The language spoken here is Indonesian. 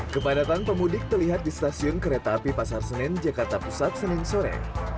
kepadatan pemudik terlihat di stasiun kereta api pasar senen jakarta pusat senin sore